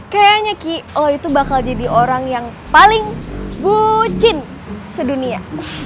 kayaknya ki oh itu bakal jadi orang yang paling bucin sedunia